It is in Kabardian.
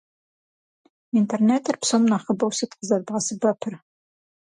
Интернетыр псом нэхъыбэу сыт къызэрыбгъэсэбэпыр?